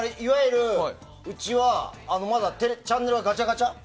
うちはまだチャンネルはガチャガチャ。